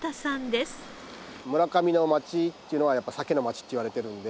村上の町というのはやっぱサケの町といわれてるので。